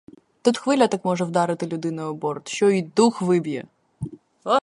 Тут хвиля так може вдарити людиною об борт, що й дух виб'є.